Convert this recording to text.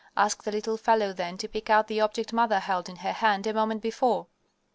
Ask the little fellow then to pick out the object mother held in her hand a moment before.